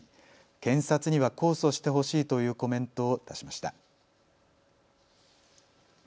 検察には控訴してほしいというコメントを出しました。